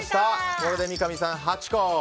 これで三上さん、８個。